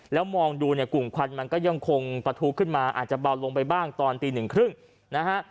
แล้วมองดูกลุ่มควันมันก็ยังคงประทุขึ้นมาอาจจะเบาลงไปบ้างตอนตี๑๓๐น